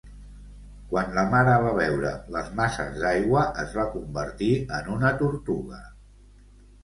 Quan la mare va veure les masses d'aigua, es va convertir en una tortuga.